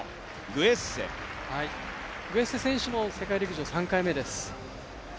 グエッセ選手も世界陸上３回目です。